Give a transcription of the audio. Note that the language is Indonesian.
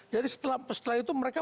jadi setelah itu mereka